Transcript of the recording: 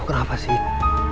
bukan apa sih